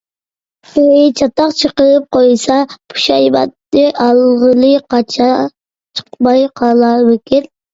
بىرى چاتاق چىقىرىپ قويسا، پۇشايماننى ئالغىلى قاچا چىقماي قالارمىكىن.